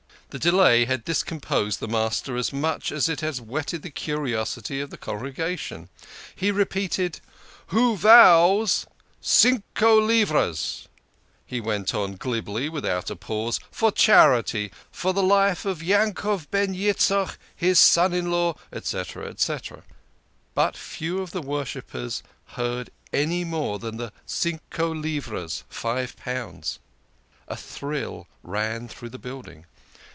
The delay had discomposed the Master as much as it had whetted the curiosity of the congregation. He repeated : "Who vows cinco livras" he went on glibly without a pause "for charity for the life of Yankov ben Yitz chok, his son in law, &c., &c." But few of the worshippers heard any more than the cinco livras (five pounds). A thrill ran through the building.